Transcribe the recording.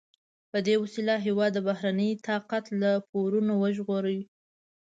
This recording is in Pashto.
په دې وسیله هېواد د بهرني طاقت له پورونو وژغوري.